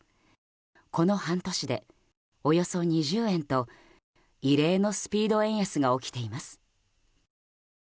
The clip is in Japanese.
この半年で、およそ２０円と異例のスピード円安が起きています。